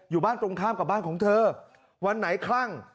อยู่บ้านตรงข้ามกับบ้านของเธอวันไหนคลั่ง